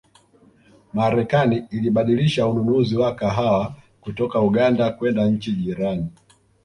Marekani ilibadilisha ununuzi wa kahawa kutoka Uganda kwenda nchi jirani